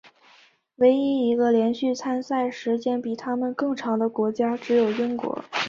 唯一一个连续参赛时间比他们更长的国家只有英国。